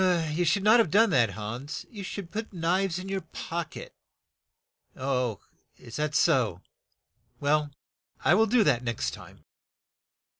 "You should not have done that, Hans ; you should put knives in your pock et." "Is that so? Well, I will do that the next time.